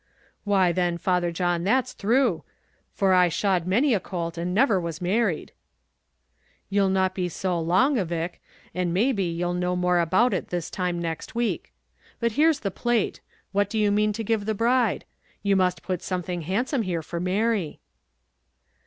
"Why then, Father John, that's thrue; for I shod many a colt, and never was married." "You'll not be so long, avick; and may be you'll know more about it this time next week. But here's the plate; what do you mean to give the bride? you must put something handsome here for Mary."